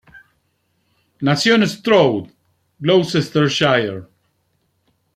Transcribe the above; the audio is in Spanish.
Nació en Stroud, Gloucestershire.